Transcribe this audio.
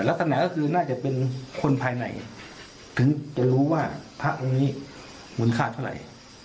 ลักษณะก็คือน่าจะเป็นคนภายในถึงจะรู้ว่าพระองค์นี้มูลค่าเท่าไหร่